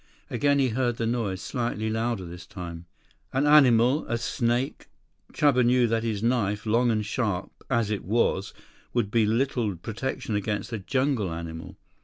Again he heard the noise, slightly louder this time. An animal, a snake? Chuba knew that his knife, long and sharp as it was, would be little protection against a jungle animal.